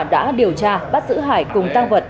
đã điều tra bắt giữ hải cùng tăng vật